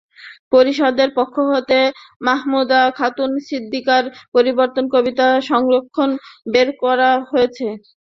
পরিষদের পক্ষ থেকে মাহমুদা খাতুন সিদ্দিকার নির্বাচিত কবিতা সংকলন বের করা হয়েছে।